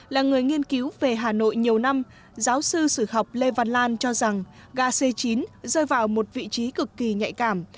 là người nghiên cứu về hà nội nhiều năm giáo sư sử học lê văn lan cho rằng ga c chín rơi vào một vị trí cực kỳ nhạy cảm